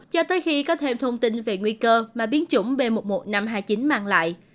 cho tới khi có thêm thông tin về nguy cơ mà biến chủng b một mươi một nghìn năm trăm hai mươi chín mang lại